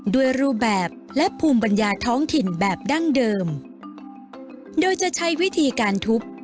ด้วยรูปแบบและภูมิปัญญาท้องถิ่นแบบดั้งเดิมโดยจะใช้วิธีการทุบ